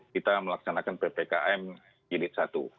kita melaksanakan ppkm jilid satu